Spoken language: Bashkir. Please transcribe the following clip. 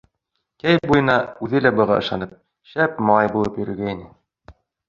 Йәй буйына үҙе лә быға ышанып, шәп малай булып йөрөгәйне.